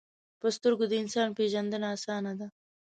په سترګو د انسان پیژندنه آسانه ده